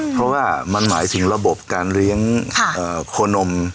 เพราะว่ามันหมายถึงระบบการเลี้ยงโคนม